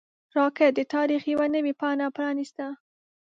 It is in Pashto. راکټ د تاریخ یوه نوې پاڼه پرانیسته